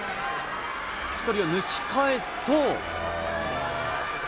１人を抜き返すと。